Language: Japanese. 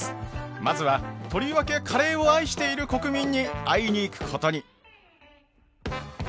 まずはとりわけカレーを愛している国民に会いに行くことに。